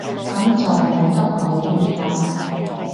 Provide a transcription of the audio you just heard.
噉就冇得抱怨喇